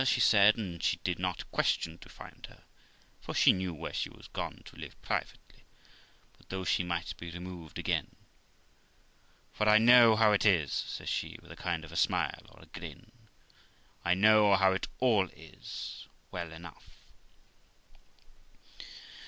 She said she did not question to find her, for she knew where she was gone to live privately; but, though, she might be removed again, ' For I know how it is ', says she, with a kind of a smile or a grin; 'I know how it all is, well enough.'